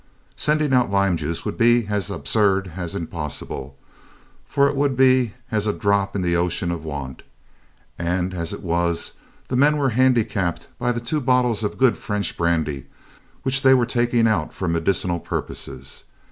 Sending out lime juice would be as absurd as impossible, for it would be as a drop in the ocean of want and as it was, the men were handicapped by the two bottles of good French brandy which they were taking out for medicinal purposes.